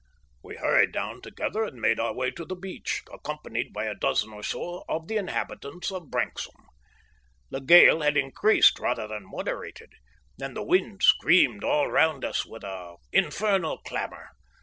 We hurried down together and made our way to the beach, accompanied by a dozen or so of the inhabitants of Branksome. The gale had increased rather than moderated, and the wind screamed all round us with an infernal clamour.